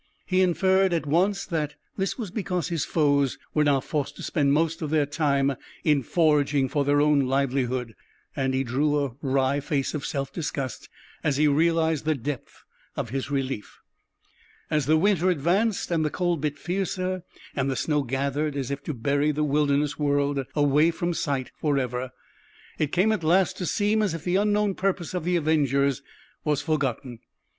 He inferred at once that this was because his foes were now forced to spend most of their time in foraging for their own livelihood, and he drew a wry face of self disgust as he realized the depth of his relief. As the winter advanced, and the cold bit fiercer, and the snow gathered as if to bury the wilderness world away from sight forever, it came at last to seem as if the unknown purpose of the avengers was forgotten.